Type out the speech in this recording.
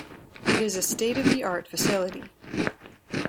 It is a state-of-the-art facility.